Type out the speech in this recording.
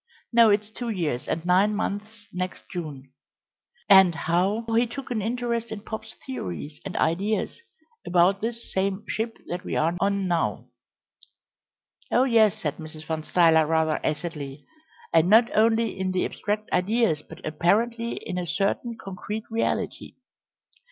No, it's two years and nine months next June; and how he took an interest in Pop's theories and ideas about this same ship that we are on now " "Oh yes," said Mrs. Van Stuyler rather acidly, "and not only in the abstract ideas, but apparently in a certain concrete reality."